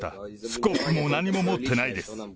スコップも何も持ってないです。